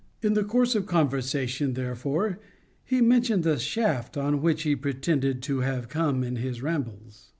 In the course of conversation, therefore, he mentioned the shaft, on which he pretended to have come in his rambles.